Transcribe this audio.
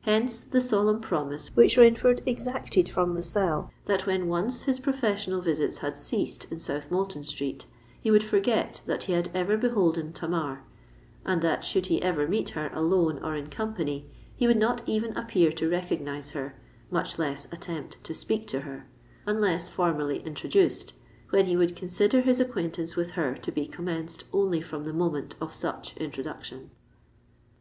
Hence the solemn promise which Rainford exacted from Lascelles—_that when once his professional visits had ceased in South Moulton Street, he would forget that he had ever beholden Tamar; and that, should he ever meet her, alone or in company, he would not even appear to recognise her—much less attempt to speak to her—unless formally introduced, when he would consider his acquaintance with her to be commenced only from the moment of such introduction_.